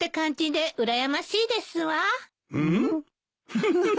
フフフ。